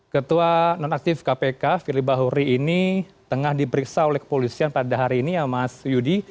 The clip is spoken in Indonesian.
ketua non aktif kpk firly bahuri ini tengah diperiksa oleh kepolisian pada hari ini ya mas yudi